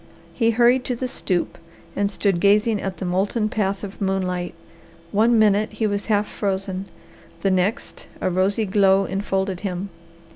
He hurried to the stoop and stood gazing at the molten path of moonlight. One minute he was half frozen, the next a rosy glow enfolded him.